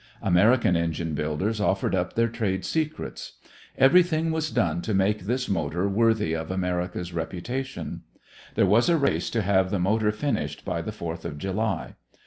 American engine builders offered up their trade secrets. Everything was done to make this motor worthy of America's reputation. There was a race to have the motor finished by the Fourth of July.